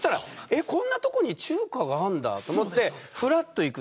こんな所に中華があるんだと思ってふらっと行く。